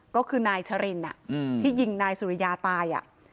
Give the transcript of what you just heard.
ก็คือนายชะรินอ่ะอืมที่ยิงนายสุริยาตายอ่ะ